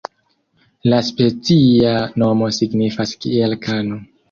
La specia nomo signifas kiel kano.